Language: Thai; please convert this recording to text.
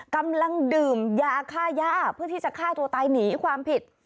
กำลังดื่มยาค่าย่าเพื่อที่จะฆ่าตัวตายหนีความผิด